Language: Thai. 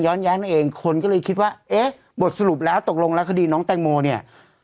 แย้งมาเองคนก็เลยคิดว่าเอ๊ะบทสรุปแล้วตกลงแล้วคดีน้องแตงโมเนี่ย